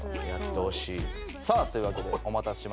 さあというわけでお待たせしました。